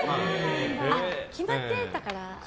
決まってたから。